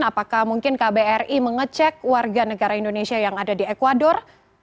apakah mungkin kbri mengecek warga negara indonesia yang ada di ecuador